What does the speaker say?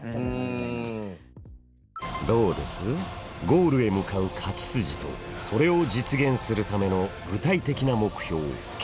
ゴールへ向かう勝ち筋とそれを実現するための具体的な目標ＫＰＩ。